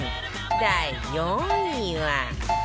第４位は